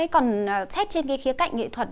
còn xét trên cái khía cạnh nghệ thuật